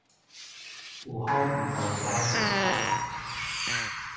有風毋通駛盡帆